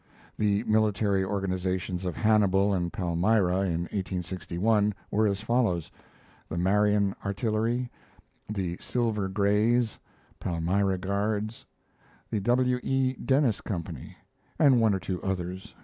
[The military organizations of Hannibal and Palmyra, in 1861, were as follows: The Marion Artillery; the Silver Grays; Palmyra Guards; the W. E. Dennis company, and one or two others.